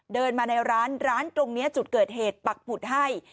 เดินมาในร้านร้านตรงนี้จุดเกิดเหตุปักผุดให้